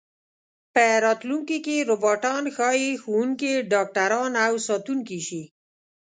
په راتلونکي کې روباټان ښايي ښوونکي، ډاکټران او ساتونکي شي.